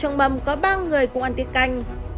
trong mầm có ba người cùng ăn tiếc canh